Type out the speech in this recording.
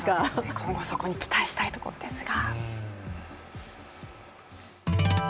今後そこに期待したいところですが。